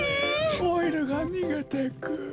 オイルがにげてく。